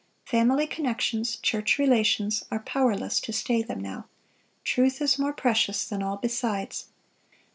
Family connections, church relations, are powerless to stay them now. Truth is more precious than all besides.